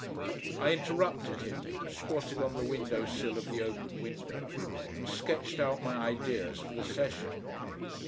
I interrupted him, squatted on the window sill of the open window, and sketched out my ideas for the session.